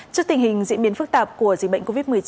trước tình hình diễn biến phức tạp của dịch bệnh covid một mươi chín